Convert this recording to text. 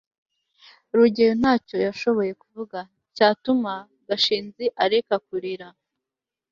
rugeyo ntacyo yashoboye kuvuga cyatuma gashinzi areka kurira